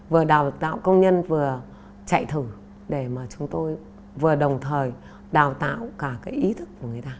vừa đào tạo công nhân vừa chạy thử để mà chúng tôi vừa đồng thời đào tạo cả cái ý thức của người ta